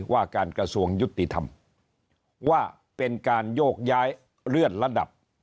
ว่าการกระทรวงยุติธรรมว่าเป็นการโยกย้ายเลื่อนระดับ